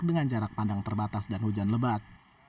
dengan jarak pandang terbatas dan hujan lebat